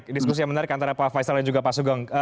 diskusi yang menarik antara pak faisal dan juga pak sugeng